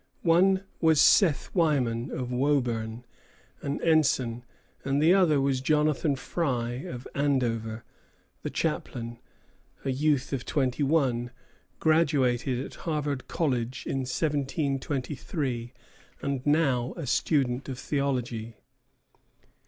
One was Seth Wyman, of Woburn, an ensign; and the other was Jonathan Frye, of Andover, the chaplain, a youth of twenty one, graduated at Harvard College in 1723, and now a student of theology.